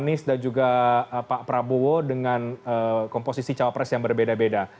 ganjar anies dan juga pak prabowo dengan komposisi capres capres yang berbeda beda